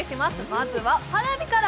まずはＰａｒａｖｉから。